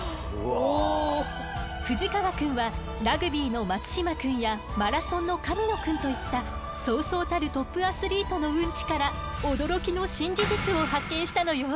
冨士川くんはラグビーの松島くんやマラソンの神野くんといったそうそうたるトップアスリートのウンチから驚きの新事実を発見したのよ。